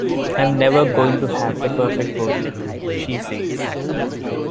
"I'm never going to have the perfect body", she says.